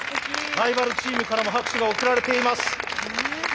ライバルチームからも拍手が送られています。